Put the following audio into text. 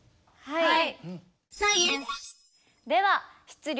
はい！